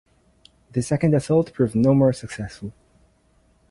The second assault proved no more successful.